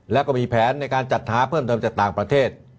แล้วก็มีแผนในการจัดหาเพิ่มเติมจากต่างประเทศ